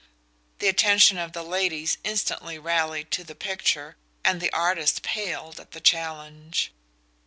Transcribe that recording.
The attention of the ladies instantly rallied to the picture, and the artist paled at the challenge.